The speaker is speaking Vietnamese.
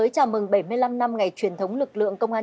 công an nhân dân